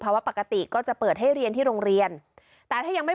ปกติก็จะเปิดให้เรียนที่โรงเรียนแต่ถ้ายังไม่